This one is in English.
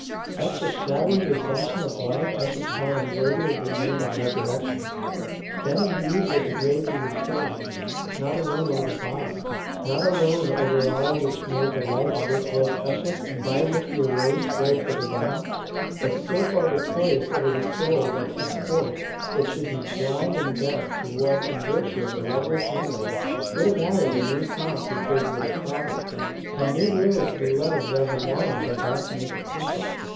Such a shadowy resumption of life I should count unworthy of the name of resurrection. Then indeed would the grave be victorious, not alone over the body, not alone over all which made the life of this world precious and by which we arose towards the divine but so far victorious over the soul that henceforth it should be blind and deaf to what in virtue of loveliest memories would have added a new song to the praises of the Father, a new glow to the love that had wanted but that to make it perfect.